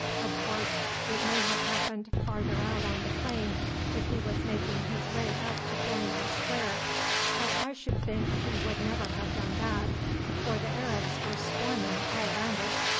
Of course it may have happened further out on the plain if he was making his way out to join our square; but I should think he would never have done that, for the Arabs were swarming all round it.